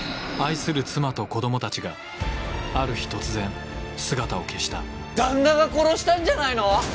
愛する妻と子供たちがある日突然姿を消した旦那が殺したんじゃないの？